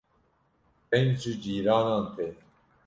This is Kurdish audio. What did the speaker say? deng ji cîranan tê